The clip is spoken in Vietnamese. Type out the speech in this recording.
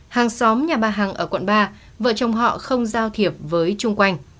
hàng xóm nhà bà hằng ở quận ba vợ chồng họ không giao thiệp với chung quanh